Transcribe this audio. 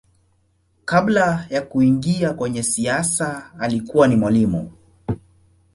Kabla ya kuingia kwenye siasa alikuwa ni mwalimu.